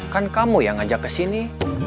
kan kamu yang ngajak kesini